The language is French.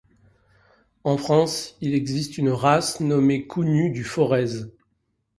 En France, il existe une race nommée Cou nu du Forez.